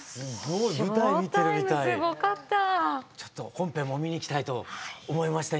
本編も見に行きたいと思いました